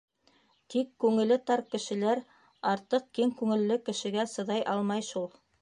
Тик күңеле тар кешеләр артыҡ киң күңелле кешегә сыҙай алмай шул.